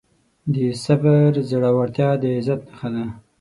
د صبر زړورتیا د عزت نښه ده.